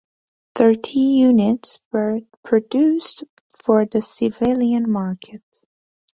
Thirty units were produced for the civilian market.